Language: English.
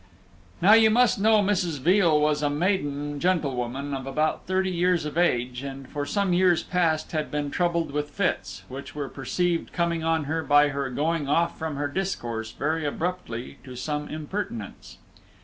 Now you must know Mrs. Veal was a maiden gentlewoman of about thirty years of age, and for some years past had been troubled with fits, which were perceived coming on her by her going off from her discourse very abruptly to some impertinence.